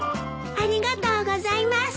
ありがとうございます。